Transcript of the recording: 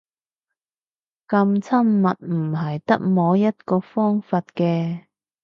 噉親密唔係得摸一個方法嘅